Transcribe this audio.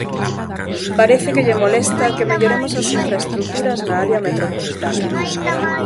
Parece que lle molesta que melloremos as infraestruturas na área metropolitana.